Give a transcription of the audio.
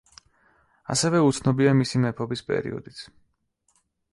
ასევე უცნობია მისი მეფობის პერიოდიც.